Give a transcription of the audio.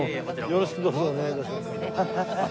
よろしくどうぞお願い致します。